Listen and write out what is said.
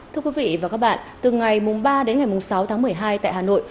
thưa quý vị và các bạn từ ngày ba đến ngày sáu tháng một mươi hai tại hà nội